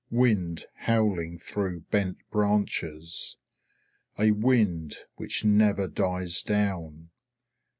Wind howling through bent branches. A wind which never dies down.